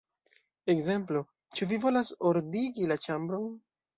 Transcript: Ekzemplo: 'Ĉu vi volas ordigi la ĉambron?